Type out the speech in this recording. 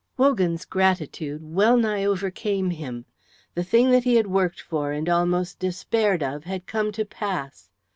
Wogan's gratitude wellnigh overcame him. The thing that he had worked for and almost despaired of had come to pass.